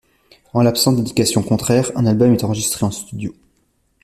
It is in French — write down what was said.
En l'absence d'indication contraire, un album est enregistré en studio.